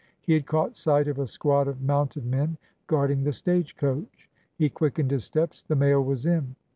He had caught sight of a squad of mounted men guarding the stage coach. He quickened his steps. The mail was in.